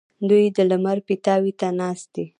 دوی د لمر پیتاوي ته ناست وي.